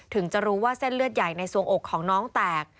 ถึงจะรู้ว่าเส้นเลือดใหญ่ในสวงอกของน้องแตก